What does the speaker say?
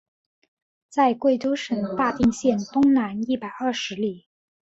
在贵州省大定县东南一百二十里。